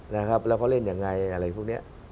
แล้วเขาเล่นยังไงอะไรพวกนี้